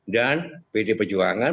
dan pd pejuangan